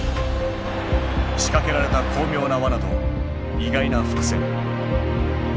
仕掛けられた巧妙な罠と意外な伏線。